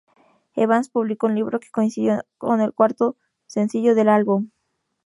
Evans publicó un libro, que coincidió con el cuarto sencillo del álbum.